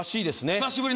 久しぶり！